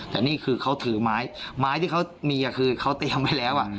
แต่นี่คือเขาถือไม้ไม้ที่เขามีคือเขาเตรียมไว้แล้ว